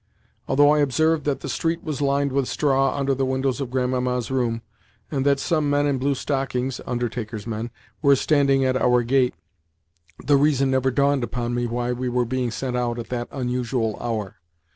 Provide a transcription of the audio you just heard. Although I observed that the street was lined with straw under the windows of Grandmamma's room, and that some men in blue stockings were standing at our gate, the reason never dawned upon me why we were being sent out at that unusual hour.